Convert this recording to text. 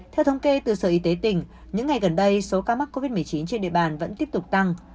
theo thống kê từ sở y tế tỉnh những ngày gần đây số ca mắc covid một mươi chín trên địa bàn vẫn tiếp tục tăng